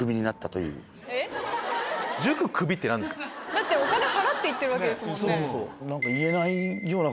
⁉だってお金払って行ってるわけですもんね。